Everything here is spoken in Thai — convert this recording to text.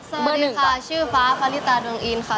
เซอร์ดีค่ะชื่อฟ้าฟาริตาดวงอินค่ะ